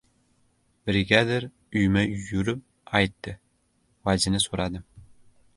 Brigadir uyma-uy yurib aytdi. Vajini so‘radim.